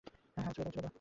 হ্যাঁ, ছুড়ে দাও।